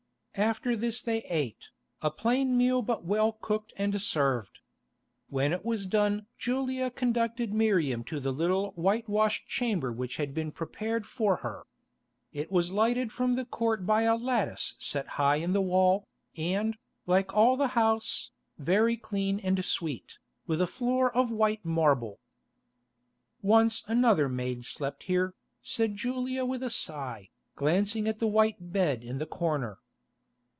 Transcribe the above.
After this they ate, a plain meal but well cooked and served. When it was done Julia conducted Miriam to the little whitewashed chamber which had been prepared for her. It was lighted from the court by a lattice set high in the wall, and, like all the house, very clean and sweet, with a floor of white marble. "Once another maid slept here," said Julia with a sigh, glancing at the white bed in the corner.